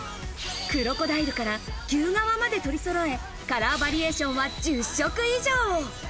クロコダイルから牛革まで取りそろえカラーバリエーションは１０色以上。